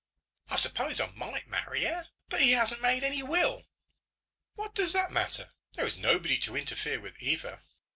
"I suppose I might marry her. But he hasn't made any will." "What does that matter? There is nobody to interfere with Eva."